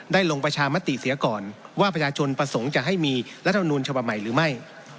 ลงประชามติเสียก่อนว่าประชาชนประสงค์จะให้มีรัฐมนูลฉบับใหม่หรือไม่